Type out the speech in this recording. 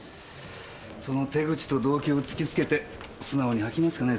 その手口と動機を突きつけて素直に吐きますかね？